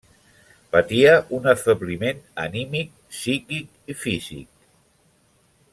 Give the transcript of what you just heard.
Patia un afebliment anímic, psíquic i físic.